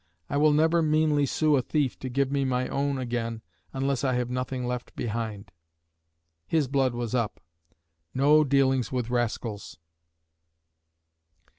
I will never meanly sue a thief to give me my own again unless I have nothing left behind. His blood was up. No dealings with rascals!